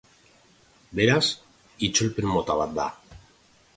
Beraz, itzulpen mota bat da.